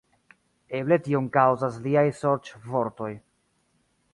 Eble tion kaŭzas liaj sorĉvortoj.